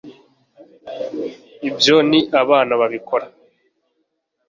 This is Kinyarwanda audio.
ibyo ni abana babikora